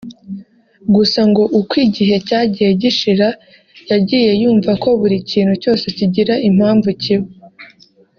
gusa ngo uko igihe cyagiye gishira yagiye yumva ko buri kintu cyose kigira impamvu kiba